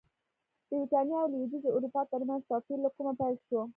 د برېټانیا او لوېدیځې اروپا ترمنځ توپیر له کومه پیل شو